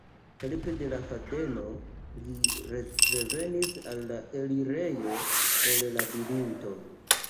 Helpe de la fadeno li revenis al la elirejo el Labirinto.